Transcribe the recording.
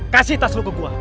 kasih tas lu ke gua